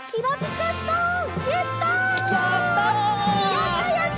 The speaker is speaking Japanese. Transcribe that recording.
やったやった！